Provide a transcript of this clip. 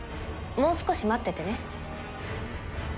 もう少し待っててね。